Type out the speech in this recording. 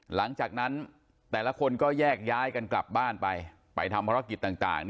หลังจากนั้นแต่ละคนก็แยกย้ายกันกลับบ้านไปไปทำภารกิจต่าง